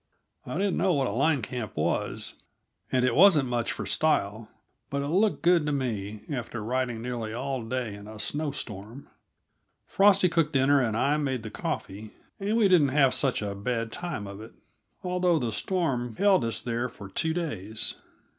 I didn't know what a line camp was, and it wasn't much for style, but it looked good to me, after riding nearly all day in a snow storm. Frosty cooked dinner and I made the coffee, and we didn't have such a bad time of it, although the storm held us there for two days.